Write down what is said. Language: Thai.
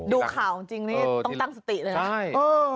ดูข่าวจริงนี่ต้องตั้งสติเลยนะ